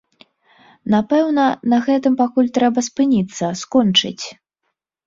Напэўна, на гэтым пакуль трэба спыніцца, скончыць.